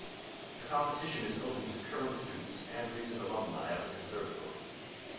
The competition is open to current students and recent alumni of the conservatory.